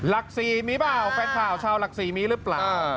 ลักษีมีเปล่าแฟนคลาวชาวลักษีมีหรือเปล่า